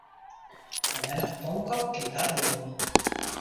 Allinnich in domkop kin dat leauwe.